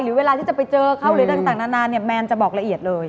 เวลาที่จะไปเจอเขาหรือต่างนานาเนี่ยแมนจะบอกละเอียดเลย